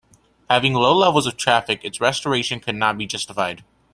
Having low levels of traffic its restoration could not be justified.